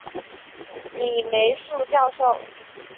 李梅树教授